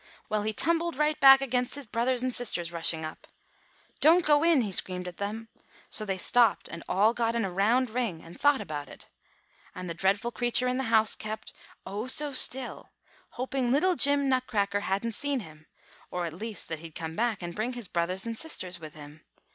Well, he tumbled right back against his brothers and sisters rushing up. 'Don't go in,' he screamed at them. So they stopped, and all got in a round ring, and thought about it. And the dreadful creature in the house kept, oh, so still, hoping little Jim Nutcracker hadn't seen him, or at least that he'd come back and bring his brothers and sisters with him.